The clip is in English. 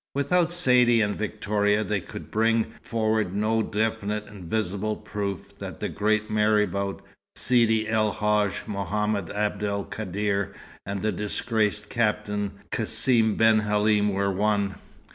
Without Saidee and Victoria, they could bring forward no definite and visible proof that the great marabout, Sidi El Hadj Mohammed Abd el Kadr, and the disgraced Captain Cassim ben Halim were one.